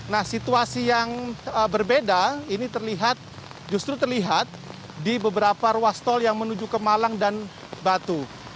nah situasi yang berbeda ini terlihat justru terlihat di beberapa ruas tol yang menuju ke malang dan batu